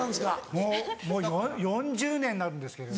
もう４０年になるんですけどね。